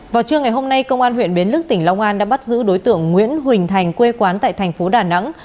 vào trưa ngày hôm nay công an huyện bến lức tỉnh long an đã bắt giữ đối tượng nguyễn huỳnh thành quê quán tại thành phố đà nẵng